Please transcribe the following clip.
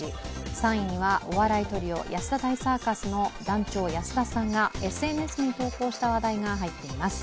３位にはお笑いトリオ、安田大サーカスの団長・安田さんがＳＮＳに投稿した話題が入っています。